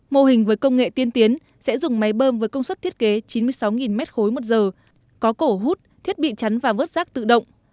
mô hình với công nghệ tiên tiến sẽ dùng máy bơm với công suất thiết kế chín mươi sáu m ba một giờ có cổ hút thiết bị chắn và vớt rác tự động